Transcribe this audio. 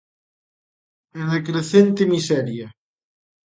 E da crecente miseria.